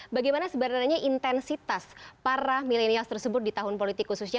bagaimana sebenarnya intensitas para milenial tersebut di tahun politik khususnya